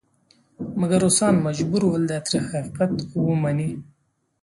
مګر روسان مجبور ول دا تریخ حقیقت ومني.